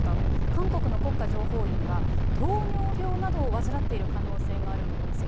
韓国の国家情報院は、糖尿病などを患っている可能性があると分析。